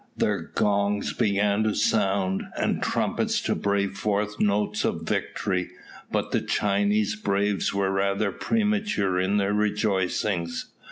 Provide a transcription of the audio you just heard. Their gongs began to sound, and trumpets to bray forth notes of victory; but the Chinese braves were rather premature in their rejoicings.